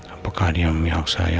apakah dia memihak saya